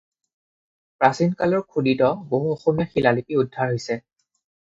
প্ৰাচীন কালৰ খোদিত বহু অসমীয়া শিলালিপি উদ্ধাৰ হৈছে।